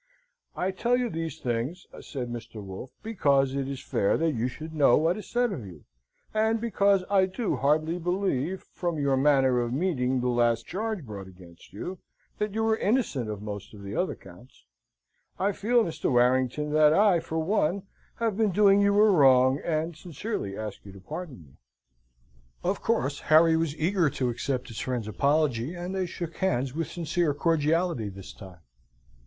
"I tell you these things," said Mr. Wolfe, "because it is fair that you should know what is said of you, and because I do heartily believe, from your manner of meeting the last charge brought against you, that you are innocent of most of the other counts. I feel, Mr. Warrington, that I, for one, have been doing you a wrong; and sincerely ask you to pardon me." Of course, Harry was eager to accept his friend's apology, and they shook hands with sincere cordiality this time.